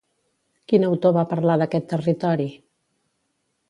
Quin autor va parlar d'aquest territori?